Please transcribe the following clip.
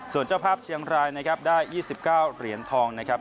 ส่วนเจ้าภาพเชียงรายนะครับได้๒๙เหรียญทองนะครับ